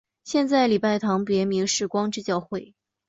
现在礼拜堂的别名是光之教会。